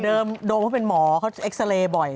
เดิมโดมให้เป็นหมอเขาเอ็กซาเรย์บ่อย